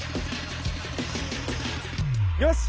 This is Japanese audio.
よし！